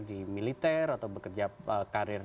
di militer atau bekerja karir